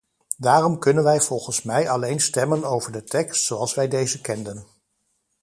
Daarom kunnen we volgens mij alleen stemmen over de tekst zoals wij deze kenden.